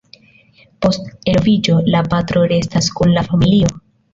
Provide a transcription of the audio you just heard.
Post eloviĝo, la patro restas kun la familio.